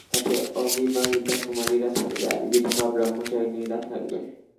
তাতে অবিবাহিতা কুমারীরা থাকবে, আর বিধবা ব্রহ্মচারিণীরা থাকবে।